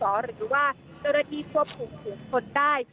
หรือว่าเจ้าระที่ควบคุมถึงคนได้